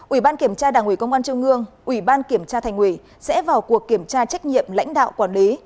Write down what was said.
ủy ban kiểm tra đảng ủy công an trung ương ủy ban kiểm tra thành ủy sẽ vào cuộc kiểm tra trách nhiệm lãnh đạo quản lý